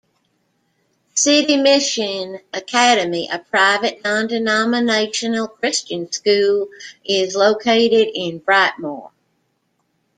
City Mission Academy, a private non-denominational Christian school, is located in Brightmoor.